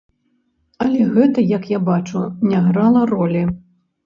Але гэта, як я бачу, не грала ролі.